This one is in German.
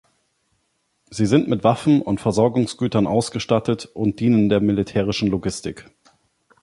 Sie sind mit Waffen und Versorgungsgütern ausgestattet und dienen der militärischen Logistik.